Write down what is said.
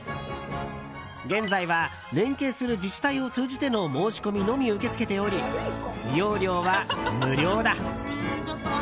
現在は連携する自治体を通じての申し込みのみ受け付けており利用料は無料だ。